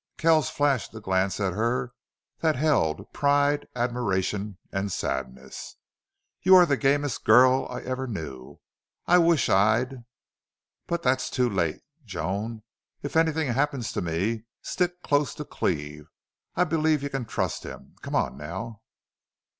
Kells flashed a glance at her that held pride, admiration, and sadness. "You are the gamest girl I ever knew! I wish I'd But that's too late!... Joan, if anything happens to me stick close to Cleve. I believe you can trust him. Come on now."